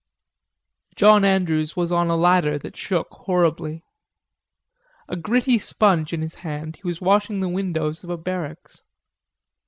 John Andrews was on a ladder that shook horribly. A gritty sponge in his hand, he was washing the windows of a barracks.